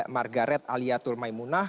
margaret aliatul maimunah